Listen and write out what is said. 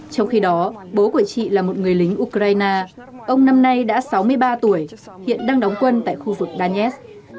trong khi đó bố của chị là một người lính ukraine ông năm nay đã sáu mươi ba tuổi hiện đang đóng quân tại khu vực danets